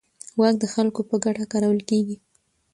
واک د خلکو په ګټه کارول کېږي.